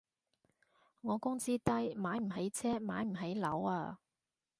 我工資低，買唔起車買唔起樓啊